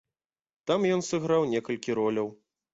Там ён сыграў некалькі роляў.